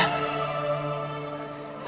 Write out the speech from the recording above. aku ini bener gak bersalah